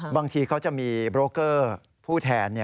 บางทีเขาจะมีโบรกเกอร์ผู้แทน